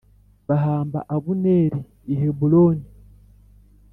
Bahamba Abuneri i Heburoni